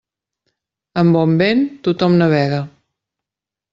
Amb bon vent, tothom navega.